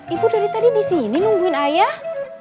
ibu dari tadi disini nungguin ayah